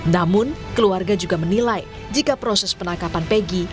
namun keluarga juga menilai jika proses penangkapan peggy